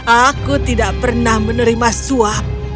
aku tidak pernah menerima suap